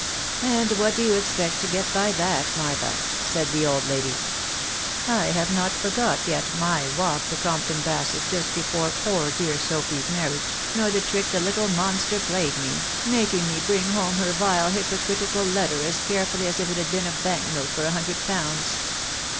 And what do you expect to get by that, Martha ?" said old lady. " I have not forgot yet my walk to Compton t just before poor dear Sophy's marriage, nor the trick the monster played me, making me bring home her vile critical letter as carefully as if it had been a bank note for mdred pounds.